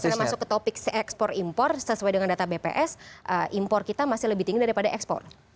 sudah masuk ke topik ekspor impor sesuai dengan data bps impor kita masih lebih tinggi daripada ekspor